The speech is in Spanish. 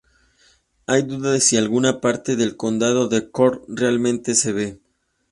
Hay duda de si alguna parte del condado de Cork realmente se ve.